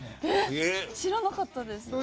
知らなかったです。